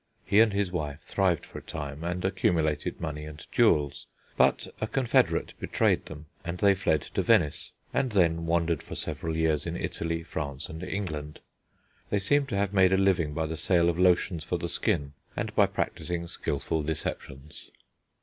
He and his wife thrived for a time, and accumulated money and jewels; but a confederate betrayed them, and they fled to Venice, and then wandered for several years in Italy, France, and England. They seem to have made a living by the sale of lotions for the skin, and by practising skilful deceptions.